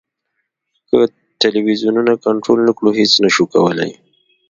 که ټلویزیونونه کنټرول نه کړو هېڅ نه شو کولای.